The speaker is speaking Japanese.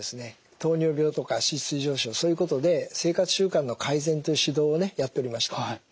糖尿病とか脂質異常症そういうことで生活習慣の改善という指導をねやっておりました。